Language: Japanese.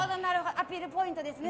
アピールポイントですね。